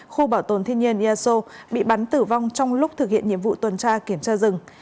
khu bảo tồn thiên nhiên eso bị bắn tử vong trong lúc thực hiện nhiệm vụ tuần tra kiểm tra rừng